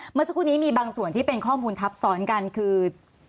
เมื่อสักครู่นี้มีบางส่วนที่เป็นข้อมูลทับซ้อนกันคือ